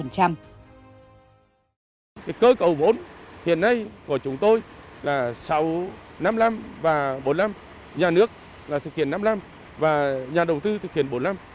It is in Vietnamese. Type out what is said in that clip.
cơ cầu vốn hiện nay của chúng tôi là sáu năm năm và bốn năm nhà nước thực hiện năm năm và nhà đầu tư thực hiện bốn năm